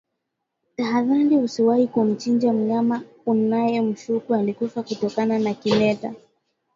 Tahadhari Usiwahi kumchinja mnyama unayemshuku alikufa kutokana na kimeta